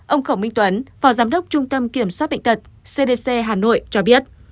ông khổng minh tuấn phó giám đốc trung tâm kiểm soát bệnh tật cdc hà nội cho biết